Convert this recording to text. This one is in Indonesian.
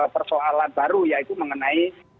persoalan baru yaitu mengenai